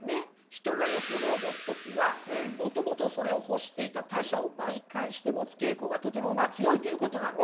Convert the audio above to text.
人が欲望を持つ時はもともとそれを欲していた他者を媒介して持つ傾向がとても強いということなんです。